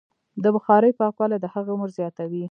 د بخارۍ پاکوالی د هغې عمر زیاتوي.